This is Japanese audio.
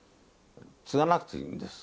継がなくていいんです。